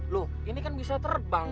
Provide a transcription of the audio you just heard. loh ini kan bisa terbang